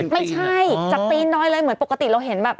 ไม่ใช่จากตีนน้อยเลยเหมือนปกติเราเห็นแบบ